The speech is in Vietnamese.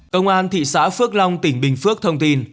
công an thị xã phước long tỉnh bình phước thông tin